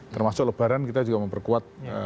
termasuk lebaran kita juga memperkuat